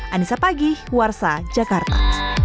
anissa pagih warsa jakarta